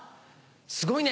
すごいね。